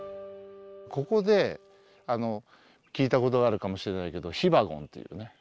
ここで聞いたことがあるかもしれないけどヒバゴンっていうね。